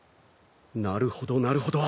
なるほどなるほど。